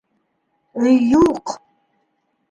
Өй юҡ!